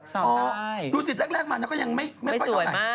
สาวใต้ดูศิษย์แรกมาแล้วก็ยังไม่ฝันอย่างไหน